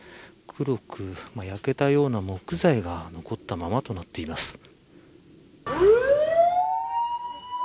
黒く焼けたような木材が残ったままとなっています。